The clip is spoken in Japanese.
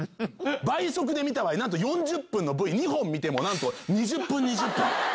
倍速で見た場合４０分のＶＴＲ２本見てもなんと２０分２０分